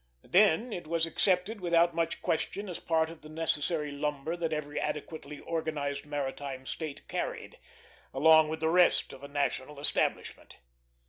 Then it was accepted without much question as part of the necessary lumber that every adequately organized maritime state carried, along with the rest of a national establishment.